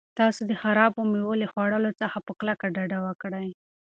تاسو د خرابو مېوو له خوړلو څخه په کلکه ډډه وکړئ.